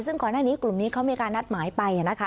ซึ่งก่อนหน้านี้กลุ่มนี้เขามีการนัดหมายไปนะคะ